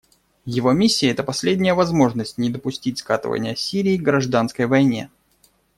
Его миссия — это последняя возможность не допустить скатывания Сирии к гражданской войне.